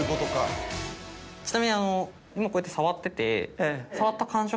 ちなみに今こうやって触ってて。